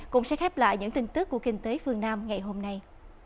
cũng sẽ khép lại những tin tức của kinh tế phương nam ngày hôm nay